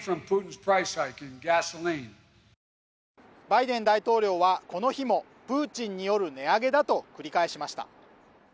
バイデン大統領はこの日もプーチンによる値上げだと繰り返しました